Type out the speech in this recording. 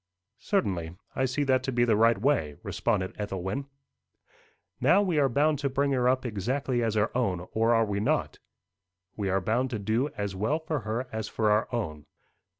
"Certainly. I see that to be the right way," responded Ethelwyn. "Now, are we bound to bring her up exactly as our own, or are we not?" "We are bound to do as well for her as for our own."